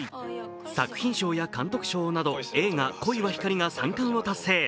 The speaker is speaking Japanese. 作品賞や監督賞など映画「恋は光」が３冠を達成。